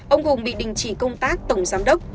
ông hùng bị đình chỉ công tác tổng giám đốc